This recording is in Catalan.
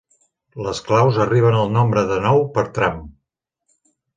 Les claus arriben al nombre de nou per tram.